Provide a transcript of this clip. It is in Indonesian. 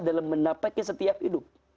dalam menapakin setiap hidup